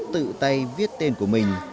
tự tay viết tên của mình